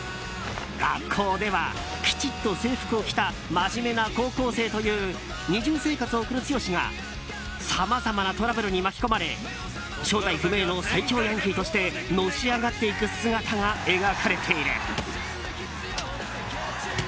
学校ではきちっと制服を着た真面目な高校生という二重生活を送る剛がさまざまなトラブルに巻き込まれ正体不明の最強ヤンキーとしてのし上がっていく姿が描かれている。